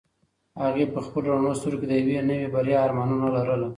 هغې په خپلو رڼو سترګو کې د یوې نوې بریا ارمانونه لرل.